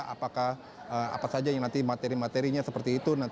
apakah apa saja yang nanti materi materinya seperti itu